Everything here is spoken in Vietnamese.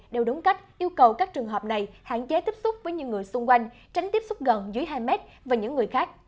đều đúng cách yêu cầu các trường hợp này hạn chế tiếp xúc với những người xung quanh tránh tiếp xúc gần dưới hai mét và những người khác